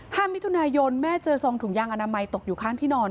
มิถุนายนแม่เจอซองถุงยางอนามัยตกอยู่ข้างที่นอน